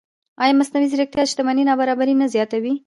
ایا مصنوعي ځیرکتیا د شتمنۍ نابرابري نه زیاتوي؟